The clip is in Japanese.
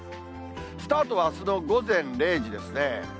スタートはあすの午前０時ですね。